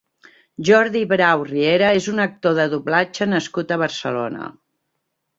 Jordi Brau Riera és un actor de doblatge nascut a Barcelona.